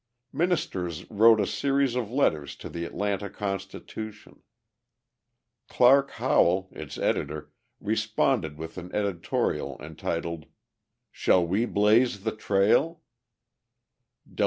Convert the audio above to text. Ministers wrote a series of letters to the Atlanta Constitution. Clark Howell, its editor, responded with an editorial entitled "Shall We Blaze the Trail?"